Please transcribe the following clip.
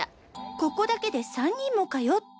ここだけで３人もかよ」って。